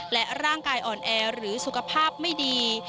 และร่างกายอ่อนแอหรือสุขภาพไม่ดี